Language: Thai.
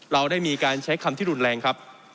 เราได้มีการใช้คำที่รุนแรงครับ